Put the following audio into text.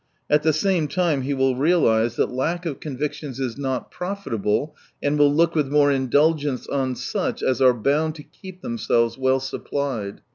At the same time he will realise that lack of 190 convictions is not profitable, and will look with more indulgence on such as are bound to keep themselves well supplied.